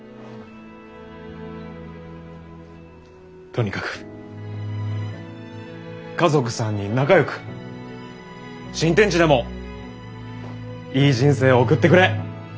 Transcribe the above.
とにかく家族３人仲よく新天地でもいい人生を送ってくれ。